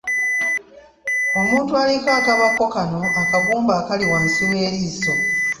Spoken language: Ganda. Omuntu aliko akabakko kano akagumba akali wansi w'eriiso.